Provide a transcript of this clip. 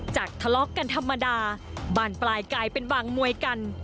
ทะเลาะกันธรรมดาบานปลายกลายเป็นวางมวยกัน